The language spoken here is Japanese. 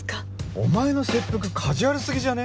お前の切腹カジュアル過ぎじゃね？